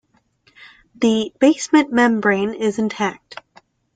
The basement membrane is intact.